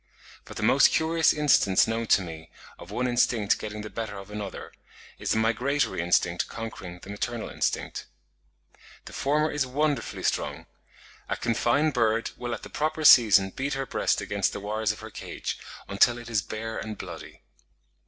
But the most curious instance known to me of one instinct getting the better of another, is the migratory instinct conquering the maternal instinct. The former is wonderfully strong; a confined bird will at the proper season beat her breast against the wires of her cage, until it is bare and bloody.